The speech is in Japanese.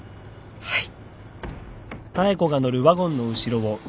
はい。